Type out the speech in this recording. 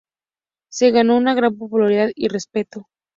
Se ganó una gran popularidad y respeto.